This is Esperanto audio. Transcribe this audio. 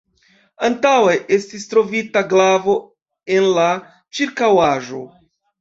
Antaŭe estis trovita glavo en la ĉirkaŭaĵo.